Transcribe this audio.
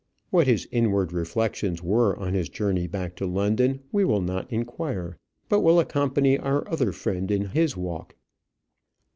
What his inward reflections were on his journey back to London we will not inquire; but will accompany our other friend in his walk.